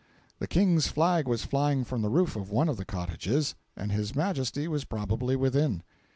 The King's flag was flying from the roof of one of the cottages, and His Majesty was probably within.